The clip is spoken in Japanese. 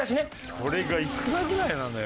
それがいくらぐらいなのよ。